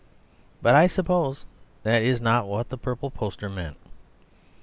But I suppose that is not what the purple poster meant.